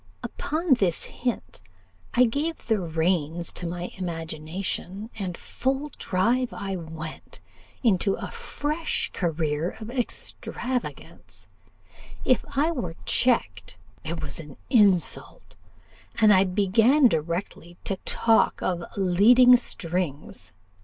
Upon this hint, I gave the reins to my imagination, and full drive I went into a fresh career of extravagance: if I were checked, it was an insult, and I began directly to talk of leading strings.